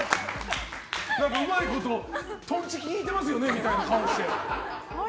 うまいこととんち効いてますよねみたいな顔して。